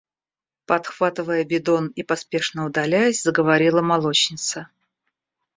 – подхватывая бидон и поспешно удаляясь, заговорила молочница.